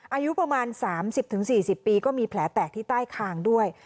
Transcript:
อายุประมาณ๓๐๔๐ปีก็มีแผลแตกที่ใต้คางด้วย